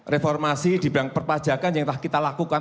reformasi di bidang perpajakan yang telah kita lakukan